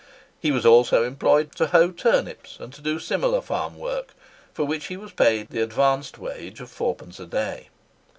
He was also employed to hoe turnips, and do similar farm work, for which he was paid the advanced wage of fourpence a day.